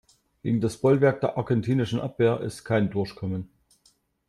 Gegen das Bollwerk der argentinischen Abwehr ist kein Durchkommen.